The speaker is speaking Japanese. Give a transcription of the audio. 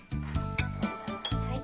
はい。